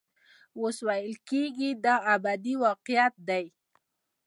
اوس ویل کېږي دا ابدي واقعیت دی.